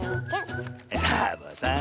サボさん。